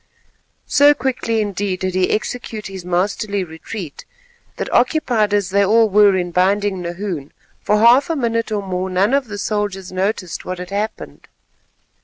So quickly indeed did he execute this masterly retreat, that occupied as they all were in binding Nahoon, for half a minute or more none of the soldiers noticed what had happened.